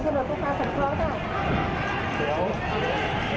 เพราะตอนนี้ก็ไม่มีเวลาให้เข้าไปที่นี่